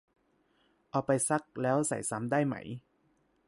เอาไปซักแล้วใส่ซ้ำได้ไหม